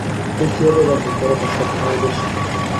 তুই কীভাবে জানবি, পরোটার স্বাদ হবে দেশি?